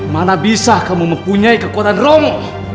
mana bisa kamu mempunyai kekuatan romo